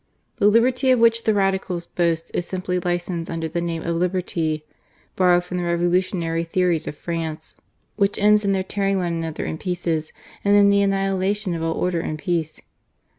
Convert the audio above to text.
The liberty of which the Radicals boast is simply licence under the name of liberty, borrowed from the Revolu tionary theories of France, which ends in their tearing one another in pieces, and in the annihila tion of all order and peace."